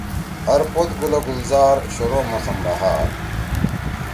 ہر پود گُل و گُلزار، شروع موسم بہار